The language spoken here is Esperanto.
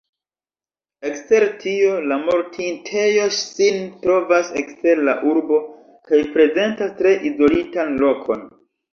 Ekster tio, la mortintejo sin trovas ekster la urbo kaj prezentas tre izolitan lokon.